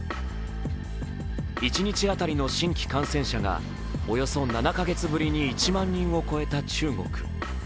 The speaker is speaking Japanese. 一日当たりの新規感染者がおよそ７か月ぶりに１万人を超えた中国。